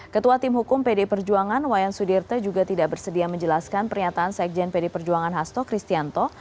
ketua tim hukum pd perjuangan wayan sudirte juga tidak bersedia menjelaskan pernyataan sekjen pd perjuangan hasto kristianto